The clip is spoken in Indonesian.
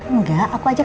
engga aku aja